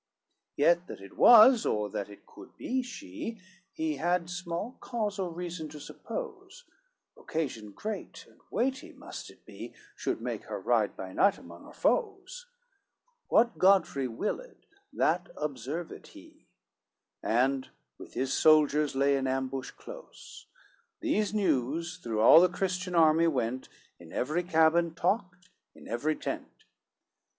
CXIII Yet that it was, or that it could be she, He had small cause or reason to suppose, Occasion great and weighty must it be Should make her ride by night among her foes: What Godfrey willed that observed he, And with his soldiers lay in ambush close: These news through all the Christian army went, In every cabin talked, in every tent.